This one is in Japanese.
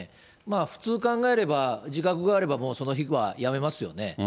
普通考えれば、自覚があればもうその日はやめますよね。